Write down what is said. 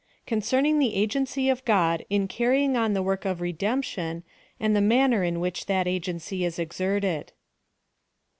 CONCERNING THE AGENCY OF GOD IN CARRYING ON THE WORK OF REDEMPTION, AND THE MAN NER IN WHICH THAT AGENCY IS EXERTED.